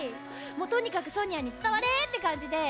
もうとにかくソニアに伝われって感じで。